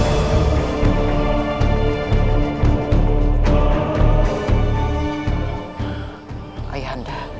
tidak ada yang bisa menghadapimu